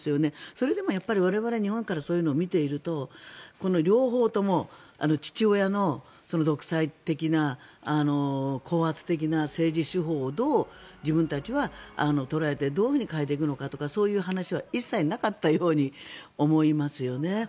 それでも我々日本からそういうのを見ていると両方とも父親の独裁的な高圧的な政治手法をどう自分たちは捉えてどう変えていくのかとかそういう話は一切なかったように思いますよね。